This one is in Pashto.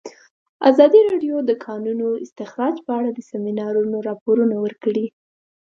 ازادي راډیو د د کانونو استخراج په اړه د سیمینارونو راپورونه ورکړي.